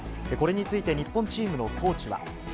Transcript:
これについて日本チームのコーチは。